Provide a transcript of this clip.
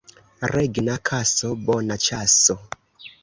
Regna kaso — bona ĉaso.